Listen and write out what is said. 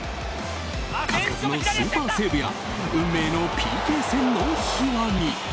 数々のスーパーセーブや運命のＰＫ戦の秘話に。